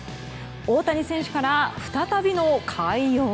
大谷選手から再びの快音。